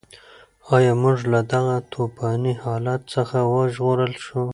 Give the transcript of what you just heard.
ایا موږ له دغه توپاني حالت څخه وژغورل شوو؟